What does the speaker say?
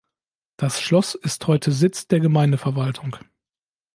Das Schloss ist heute Sitz der Gemeindeverwaltung.